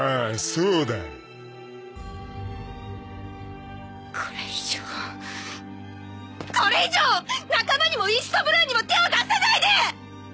そうだこれ以上これ以上仲間にも「東の海」にも手を出さないで！